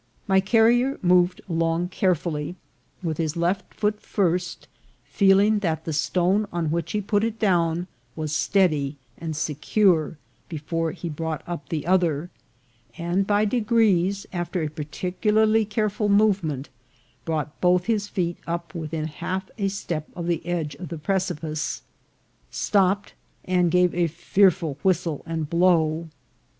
My carrier moved along carefully, with his left foot first, feeling that the stone on which he put it down was steady and secure before he brought up the other, and by degrees, after a partic ularly careful movement, brought both feet up within half a step of the edge of the precipice, stopped, and gave a fearful whistle and blow.